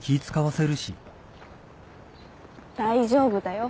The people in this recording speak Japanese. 大丈夫だよ。